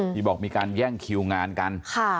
ที่บอกมีการแย่งคิวงานกัน